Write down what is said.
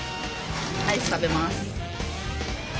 アイス食べます。